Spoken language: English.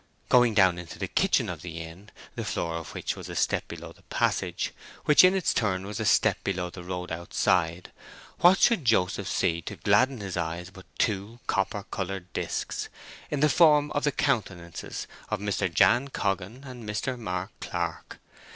Going down into the kitchen of the inn, the floor of which was a step below the passage, which in its turn was a step below the road outside, what should Joseph see to gladden his eyes but two copper coloured discs, in the form of the countenances of Mr. Jan Coggan and Mr. Mark Clark.